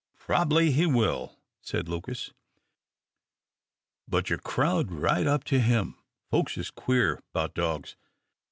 "Prob'bly he will," said Lucas, "but you crowd right up to him. Folks is queer 'bout dogs.